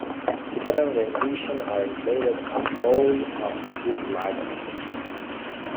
Different renditions are included on all of his live albums.